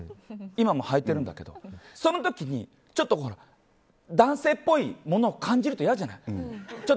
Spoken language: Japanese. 今も、はいてるんだけどその時に男性っぽいものを感じると嫌じゃない。